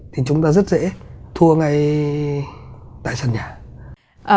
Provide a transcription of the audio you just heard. thì chúng ta rất dễ thua ngay tại sân nhà